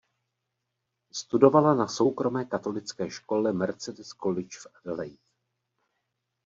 Studovala na soukromé katolické škole Mercedes College v Adelaide.